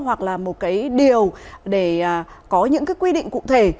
hoặc là một cái điều để có những cái quy định cụ thể